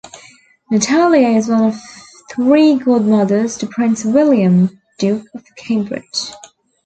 Natalia is one of three godmothers to Prince William, Duke of Cambridge.